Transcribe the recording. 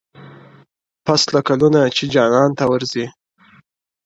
پسله كلونه چي جانان تـه ورځـي-